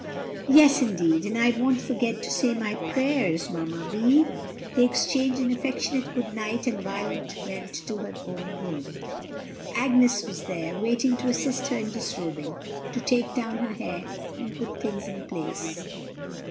"Yes, indeed! and I won't forget to say my prayers, Mamma Vi." They exchanged an affectionate good night, and Violet went to her own room. Agnes was there, waiting to assist her in disrobing, to take down her hair, and put things in place.